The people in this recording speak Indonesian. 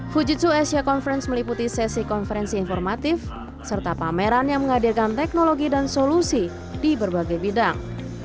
fujitsu asia conference meliputi sesi konferensi informatif serta pameran yang menghadirkan teknologi dan solusi di berbagai bidang